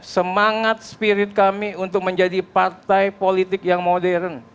semangat spirit kami untuk menjadi partai politik yang modern